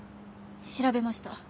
調べました。